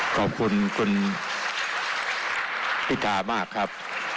ขอบคุณคุณพิธามากครับ